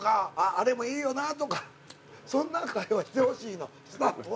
「あれもいいよな」とかそんな会話してほしいのスタッフは。